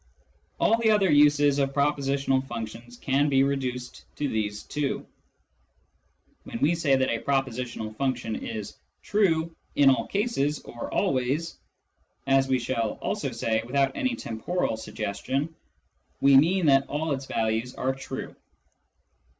All the other uses of propositional functions can be reduced to these two. When we say that a propositional function is true " in all cases," or " always " (as we shall also say, without any temporal sugges tion), we mean that all its values are true.